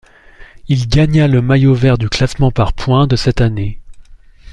Il gagna le maillot vert du classement par points de cette année.